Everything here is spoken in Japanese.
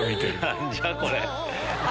何じゃ⁉これ。